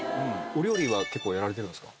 お料理は結構やられてるんですか？